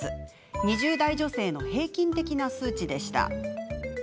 ２０代女性の平均的な数値でした。